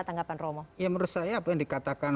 tanggapan romo ya menurut saya apa yang dikatakan